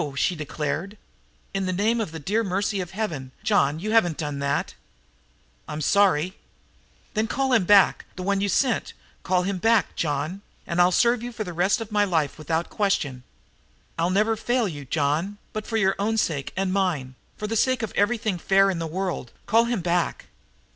she declared. "In the name of the dear mercy of Heaven, John, you haven't done that?" "I'm sorry." "Then call him back the one you sent. Call him back, John, and I'll serve you the rest of my life without question. I'll never fail you, John, but for your own sake and mine, for the sake of everything fair in the world, call him back!"